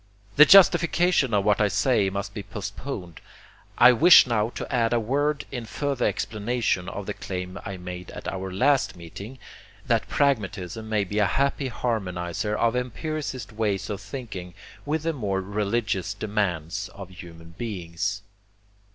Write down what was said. The justification of what I say must be postponed. I wish now to add a word in further explanation of the claim I made at our last meeting, that pragmatism may be a happy harmonizer of empiricist ways of thinking, with the more religious demands of human beings.